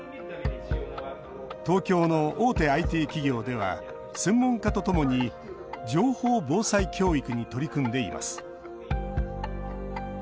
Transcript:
東京の大手ＩＴ企業では専門家とともに情報防災教育に取り組んでいます。